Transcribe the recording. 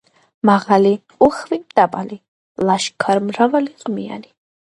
მაღალი, უხვი, მდაბალი, ლაშქარ-მრავალი, ყმიანი